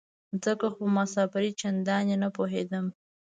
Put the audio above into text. ځکه خو په مسافرۍ چندانې نه پوهېدم.